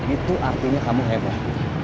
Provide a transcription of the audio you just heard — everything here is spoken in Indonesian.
itu artinya kamu hebat